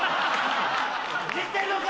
いじってんのか！